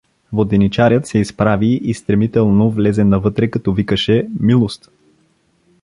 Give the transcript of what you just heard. Воденчарят се изправи и стремително влезе навътре, като викаше: — Милост!